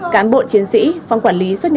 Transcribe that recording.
cán bộ chiến sĩ phòng quản lý xuất nhận